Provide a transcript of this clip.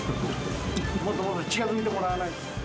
もっともっと近づいてもらわないと。